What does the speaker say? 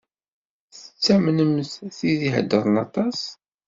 Tettamnemt tid i iheddṛen aṭas?